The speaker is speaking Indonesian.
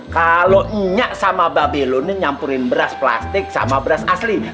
kalau nyak sama mbak be lo nih nyampurin beras plastik sama beras asli